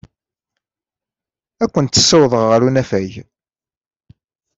Ad kent-ssiwḍeɣ ɣer unafag.